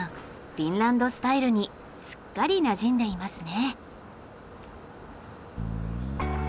フィンランドスタイルにすっかりなじんでいますね。